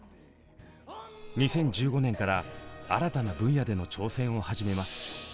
２０１５年から新たな分野での挑戦を始めます。